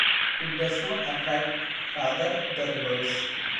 It does not attract, rather the reverse.